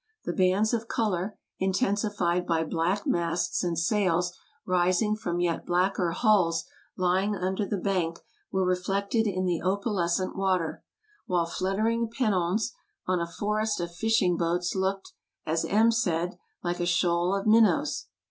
The bands of color, intensified by black masts and sails rising from yet blacker hulls lying under the bank, were reflected in the opalescent water; while fluttering pennons on a forest of fishing boats looked, as M said, " like a shoal of minnows."